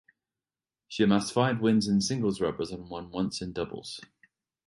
She amassed five wins in singles rubbers and won once in doubles.